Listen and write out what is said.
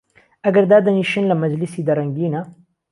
ئهگەر دادهنیشن له مهجلیسی دە رەنگینه